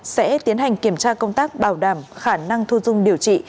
sẽ tiến hành kiểm tra công tác bảo đảm khả năng thu dung điều trị